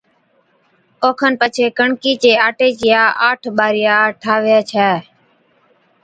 اوکن پڇي ڪڻڪِي چي آٽي چِيا آٺ ٻارِيا ٺاھوَي ڇَي